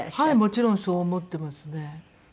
もちろんそう思ってますね。